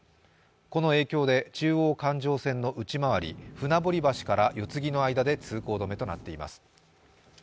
この影響で中央環状線の内回り、船堀橋から四つ木の間で通行止めとなっています。